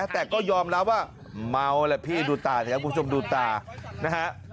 แต่ก็ยอมรับว่าเมาแหละพี่ดูตานะครับคุณผู้ชมดูตานะฮะ